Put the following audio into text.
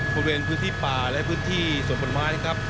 บริเวณพื้นที่ป่าและพื้นที่สวนผลไม้นะครับ